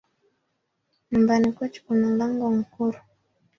Numbani kwechu kuna nlango nkuru